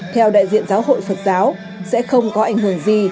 theo đại diện giáo hội phật giáo sẽ không có ảnh hưởng gì